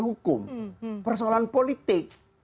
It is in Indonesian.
hukum persoalan politik